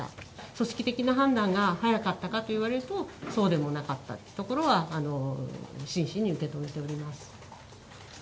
組織的な判断が早かったかと言われると、そうでもなかったところは真摯に受け止めております。